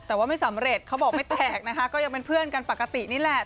แต่ว่าไม่สำเร็จเขาบอกไม่แตกนะคะก็ยังเป็นเพื่อนกันปกตินี่แหละ